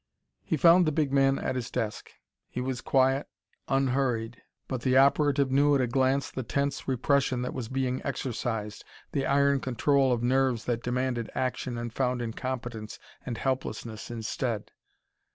He found the big man at his desk. He was quiet, unhurried, but the operative knew at a glance the tense repression that was being exercised the iron control of nerves that demanded action and found incompetence and helplessness instead.